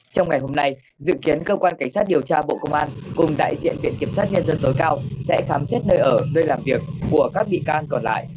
trong ngày hôm nay dự kiến cơ quan cảnh sát điều tra bộ công an cùng đại diện viện kiểm sát nhân dân tối cao sẽ khám xét nơi ở nơi làm việc của các bị can còn lại